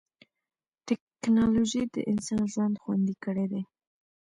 ټکنالوجي د انسان ژوند خوندي کړی دی.